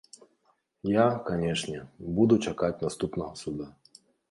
Я, канечне, буду чакаць наступнага суда.